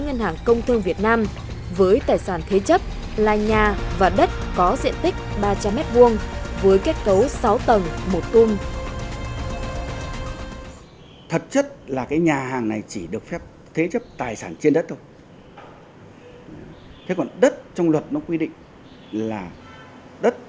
nhưng tất cả vẫn chìm trong im lặng